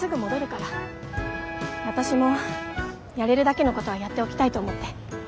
私もやれるだけのことはやっておきたいと思って。